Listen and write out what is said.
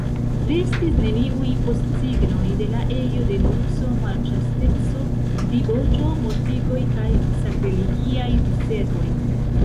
Restis neniuj postsignoj de la ejo de lukso, malĉasteco, diboĉo, mortigoj kaj sakrilegiaj diservoj.